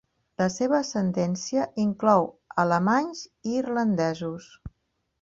La seva ascendència inclou alemanys i irlandesos.